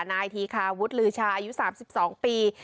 นายธีคาวุฒิลือชาอายุ๓๒ปี